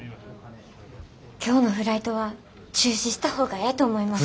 今日のフライトは中止した方がええと思います。